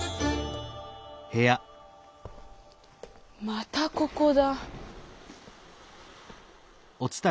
またここだ！